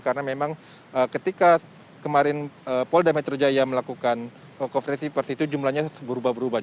karena memang ketika kemarin polres metro jaya melakukan konferensi pers itu jumlahnya berubah berubah